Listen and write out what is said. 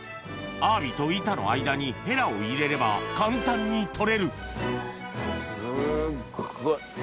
アワビと板の間にヘラを入れれば簡単に取れるすっごい。